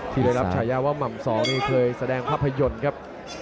ที่ได้รับฉายาว่าหม่ำสองนี่เคยแสดงภาพยนตร์ครับ